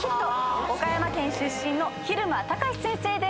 岡山県出身の昼間たかし先生です。